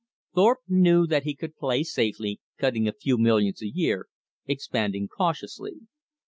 Thorpe knew that he could play safely, cutting a few millions a year, expanding cautiously.